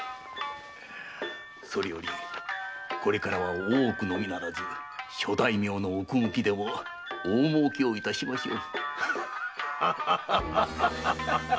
それよりこれからは大奥のみならず諸大名の奥向きでも大儲けをいたしましょう。